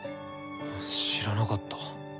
知らなかった。